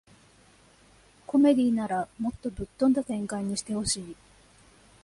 コメディならもっとぶっ飛んだ展開にしてほしい